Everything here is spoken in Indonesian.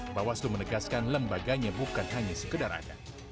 bawaslu menegaskan lembaganya bukan hanya sekedar ada